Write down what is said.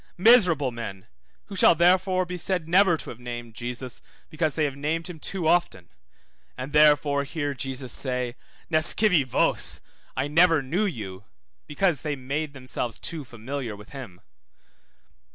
Miserable men, who shall therefore be said never to have named Jesus, because they have named him too often; and therefore hear Jesus say, Nescivi vos, I never knew you, because they made themselves too familiar with him.